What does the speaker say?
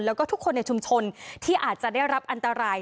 แล้วก็ทุกคนในชุมชนที่อาจจะได้รับอันตราย